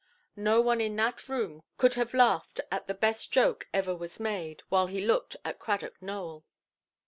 No one in that room could have laughed at the best joke ever was made, while he looked at Cradock Nowell.